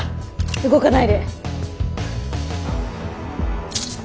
動かないで。